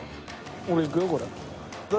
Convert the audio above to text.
俺いくよこれ。